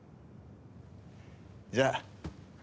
じゃあ。